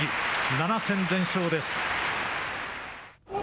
７戦全勝です。